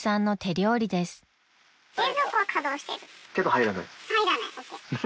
入らない？